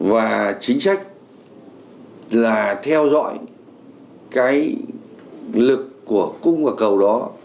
và chính trách là theo dõi cái lực của cung và cầu đó